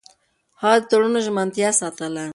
هغه د تړونونو ژمنتيا ساتله.